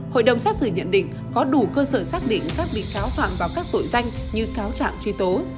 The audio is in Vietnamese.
hội đồng xét xử nhận định có đủ cơ sở xác định các bị cáo phạm vào các tội danh như cáo trạng truy tố